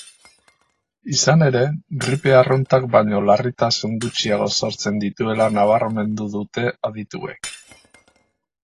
Izan ere, gripe arruntak baino larritasun gutxiago sortzen dituela nabarmendu dute adituek.